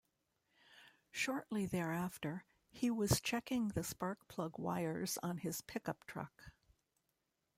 Shortly thereafter, he was checking the spark plug wires on his pickup truck.